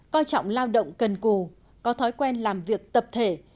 coi trọng lao động cần cù có thói quen làm việc tập thể